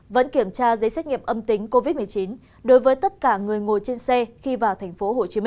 vẫn kiểm tra giấy xét nghiệm âm tính covid một mươi chín đối với tất cả người ngồi trên xe khi vào tp hcm